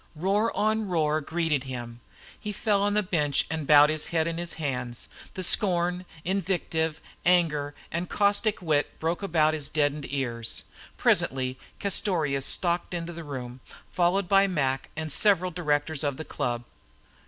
Roar on roar greeted him. He fell on a bench and bowed his head in his hands. The scorn, invective, anger, and caustic wit broke about his deadened ears. Presently Castorious stalked into the room, followed by Mac and several directors of the club.